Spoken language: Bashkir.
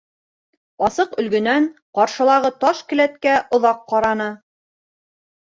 Асыҡ өлгөнән ҡаршылағы таш келәткә оҙаҡ ҡараны.